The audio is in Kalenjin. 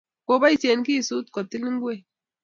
kiboisien kisut ketil ngwek